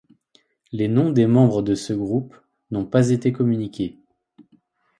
Les noms des membres de ce groupe n'ont pas été communiqués.